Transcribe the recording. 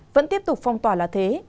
vẫn tiếp tục phong tỏa là thế